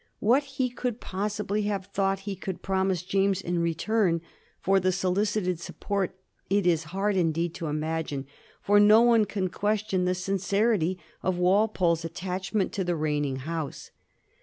What he could possibly have thought he could promise James in return for the solicited support it is hard, indeed, to imagine ; for no one can question the sincerity of Walpole's attachment to the reigning House.